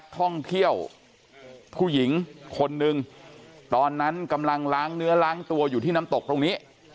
ท่องเที่ยวผู้หญิงคนนึงตอนนั้นกำลังล้างเนื้อล้างตัวอยู่ที่น้ำตกตรงนี้